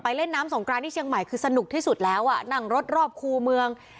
เล่นน้ำสงกรานที่เชียงใหม่คือสนุกที่สุดแล้วอ่ะนั่งรถรอบคู่เมือง